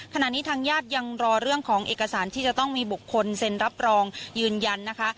ทางญาติยังรอเรื่องของเอกสารที่จะต้องมีบุคคลเซ็นรับรองยืนยันนะคะ